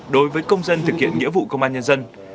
đối với công dân thực hiện nghĩa vụ công an nhân dân